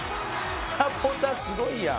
サポーターすごいやん！」